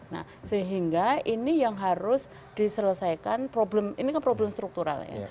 nah sehingga ini yang harus diselesaikan problem ini kan problem struktural ya